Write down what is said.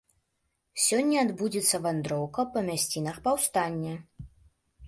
Сёння адбудзецца вандроўка па мясцінах паўстання.